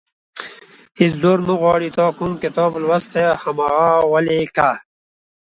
هېڅ زور نه غواړي تا کوم کتاب لوستی، هماغه ولیکه.